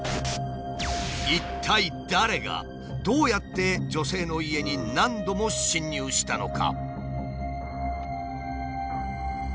一体誰がどうやって女性の家に何度も侵入したのか？